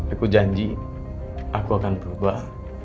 aku janji aku akan berubah